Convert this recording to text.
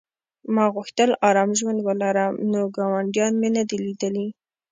ما غوښتل ارام ژوند ولرم نو ګاونډیان مې نه دي لیدلي